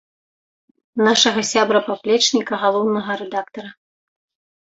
Нашага сябра, паплечніка, галоўнага рэдактара.